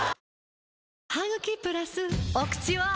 お口は！